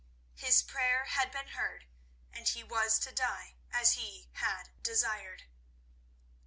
His prayer had been heard, and he was to die as he had desired.